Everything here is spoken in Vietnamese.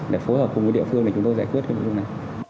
để phối hợp cùng với địa phương để chúng tôi giải quyết cái vấn đề này